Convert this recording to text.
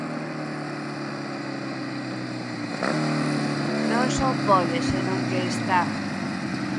Non só pode, senón que está.